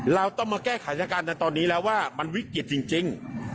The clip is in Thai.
เราต้องมาแก้ไขสถานการณ์ในตอนนี้แล้วว่ามันวิกฤตจริง